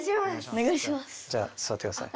じゃあすわってください。